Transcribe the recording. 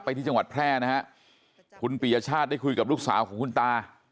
ที่จังหวัดแพร่นะฮะคุณปียชาติได้คุยกับลูกสาวของคุณตา